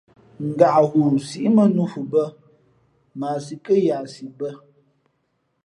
Ngaʼghoo síʼ mᾱnnū nhu bᾱ, mα a sī kά yahsi bά.